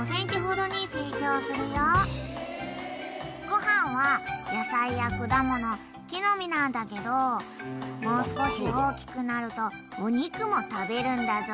［ご飯は野菜や果物木の実なんだけどもう少し大きくなるとお肉も食べるんだぞ］